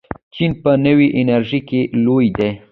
چین په نوې انرژۍ کې لوی دی.